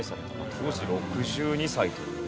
当時６２歳というね。